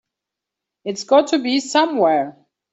It's got to be somewhere.